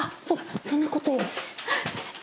そんなことより。